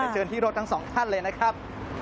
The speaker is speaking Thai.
เชิญที่รถทั้งสองท่านเลยนะครับ